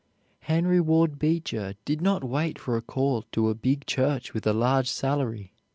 Henry Ward Beecher did not wait for a call to a big church with a large salary.